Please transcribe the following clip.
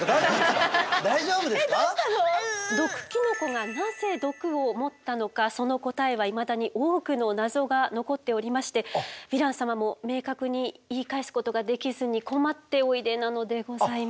毒キノコがなぜ毒を持ったのかその答えはいまだに多くの謎が残っておりましてヴィラン様も明確に言い返すことができずに困っておいでなのでございます。